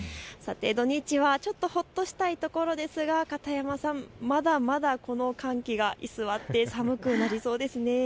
土日はちょっとほっとしたいところですが片山さん、まだまだこの寒気が居座って寒くなりそうですね。